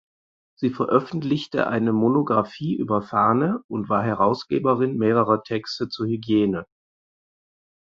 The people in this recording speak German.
Sie veröffentlichte eine Monographie über Farne und war Herausgeberin mehrerer Texte zur Hygiene.